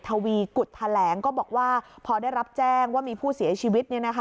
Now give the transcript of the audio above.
ทวีกุฎแถลงก็บอกว่าพอได้รับแจ้งว่ามีผู้เสียชีวิต